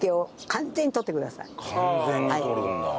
完全に取るんだ。